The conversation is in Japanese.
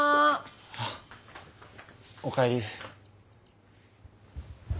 あっおかえり。